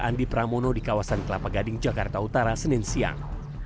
andi pramono di kawasan kelapa gading jakarta utara senin siang